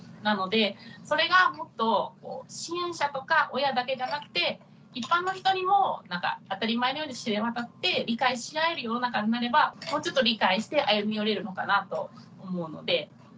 なのでそれがもっと支援者とか親だけじゃなくて一般の人にも当たり前のように知れ渡って理解し合える世の中になればもうちょっと理解して歩み寄れるのかなと思うので。